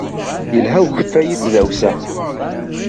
Yelha ukeffay i tdawsa?